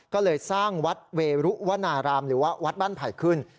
ก็เลยสร้างวัดเวรุวนารามหรือว่าวัดบ้านไผ่ขึ้น